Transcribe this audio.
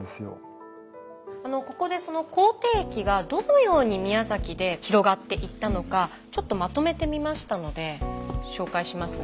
ここでその口てい疫がどのように宮崎で広がっていったのかちょっとまとめてみましたので紹介しますね。